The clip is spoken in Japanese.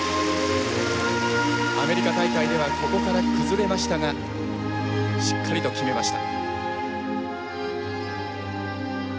アメリカ大会ではここから崩れましたがしっかりと決めました。